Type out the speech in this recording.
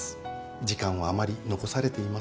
時間はあまり残されていません。